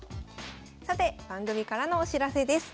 さて番組からのお知らせです。